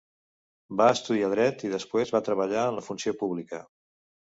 Va estudiar dret i després va treballar en la funció pública.